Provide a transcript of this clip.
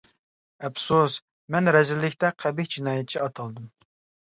ئەپسۇس، مەن رەزىللىكتە قەبىھ جىنايەتچى ئاتالدىم.